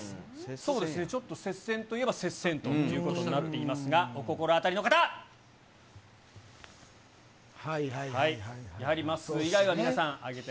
そうですね、ちょっと接戦といえば接戦ということになっていますが、お心当たはいはいはい。